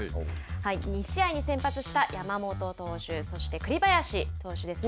２試合に先発した山本投手そして栗林投手ですね。